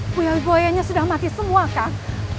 buya buyanya sudah mati semua kang